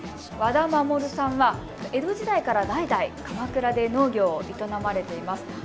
和田護さんは江戸時代から代々鎌倉で農業を営まれています。